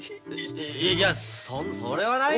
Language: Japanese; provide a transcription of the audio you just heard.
いやそれはないな。